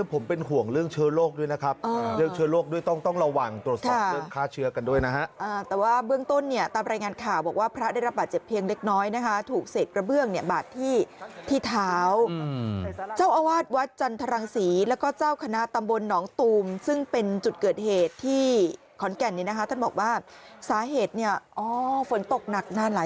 ก็เกิดเหตุการณหลังคาพังถล่มลงมา